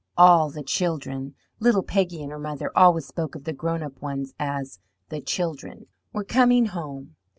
All "the children" little Peggy and her mother always spoke of the grown up ones as "the children" were coming home.